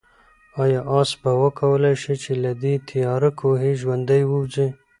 آیا آس به وکولای شي چې له دې تیاره کوهي ژوندی ووځي؟